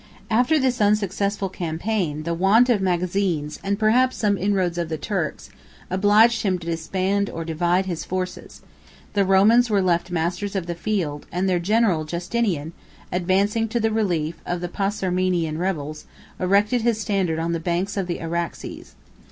After this unsuccessful campaign, the want of magazines, and perhaps some inroad of the Turks, obliged him to disband or divide his forces; the Romans were left masters of the field, and their general Justinian, advancing to the relief of the Persarmenian rebels, erected his standard on the banks of the Araxes.